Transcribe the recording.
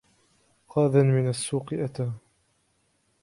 قاض من السوق أتى